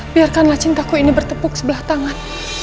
biarkanlah cintaku ini bertepuk sebelah tangan